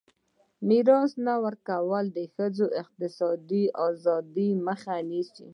د میراث نه ورکول د ښځو د اقتصادي ازادۍ مخه نیسي.